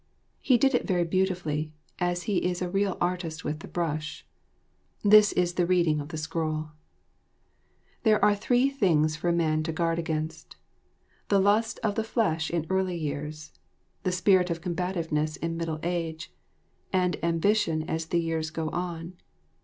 He did it very beautifully, as he is a real artist with the brush. This is the reading of the scroll: "There are three things for a man to guard against: The lusts of the flesh in early years, The spirit of combativeness in middle age, And ambition as the years go on.